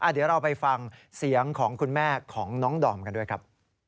เดี๋ยวเราไปฟังเสียงของคุณแม่ของน้องดอมกันด้วยครับ